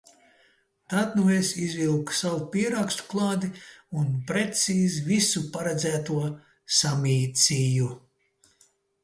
Tad nu es izvilku savu pierakstu kladi un precīzi visu paredzēto samīcīju.